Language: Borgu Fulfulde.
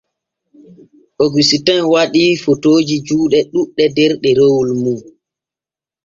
Ogusitin waɗii fotooji juuɗe ɗuuɗɗi der ɗerewol mum.